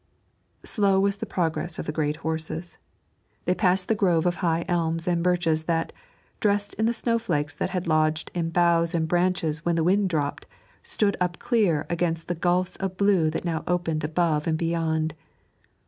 Slow was the progress of the great horses; they passed the grove of high elms and birches that, dressed in the snowflakes that had lodged in boughs and branches when the wind dropped, stood up clear against the gulfs of blue that now opened above and beyond.